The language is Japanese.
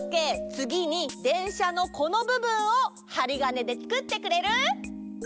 つぎにでんしゃのこのぶぶんをハリガネでつくってくれる？